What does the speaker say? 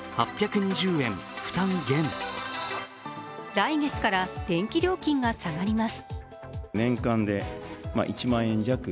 来月から電気料金が下がります。